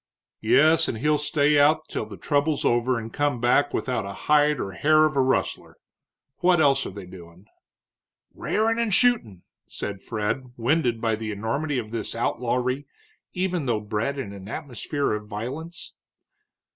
"Yes, and he'll stay out till the trouble's over and come back without a hide or hair of a rustler. What else are they doin'?" "Rairin' and shootin'," said Fred, winded by the enormity of this outlawry, even though bred in an atmosphere of violence.